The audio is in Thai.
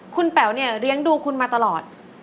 คุณเป๋าเนี่ยเรียงดูมาตลอด